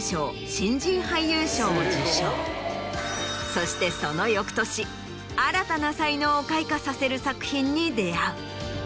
そしてその翌年新たな才能を開花させる作品に出会う。